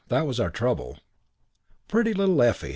That was our trouble. Pretty little Effie!